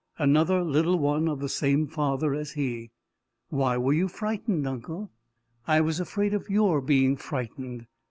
"Another little one of the same father as he." "Why were you frightened, uncle?" "I was afraid of your being frightened."